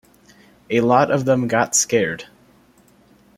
A lot of them got scared.